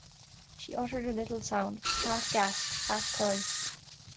She uttered a little sound, half gasp, half cry.